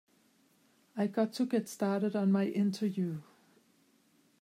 I've got to get started on my interview.